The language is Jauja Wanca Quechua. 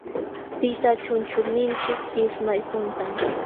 Tita chunchulninchik ismay huntam.